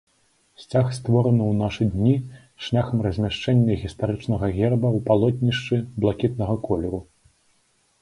Сцяг створаны ў нашы дні шляхам размяшчэння гістарычнага герба ў палотнішчы блакітнага колеру.